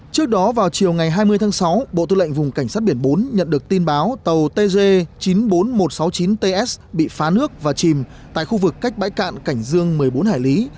trước đó vào chiều ngày hai mươi tháng sáu bộ tư lệnh vùng cảnh sát biển bốn nhận được tin báo tàu tg chín mươi bốn nghìn một trăm sáu mươi chín ts bị phá nước và chìm tại khu vực cách bãi cạn cảnh dương một mươi bốn hải lý